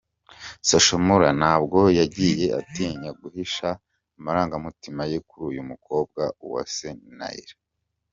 Social Mula ntabwo yagiye atinya guhisha amarangamutima ye kuri uyu mukobwa Uwase Naila.